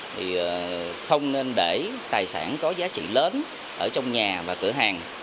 thì không nên để tài sản có giá trị lớn ở trong nhà và cửa hàng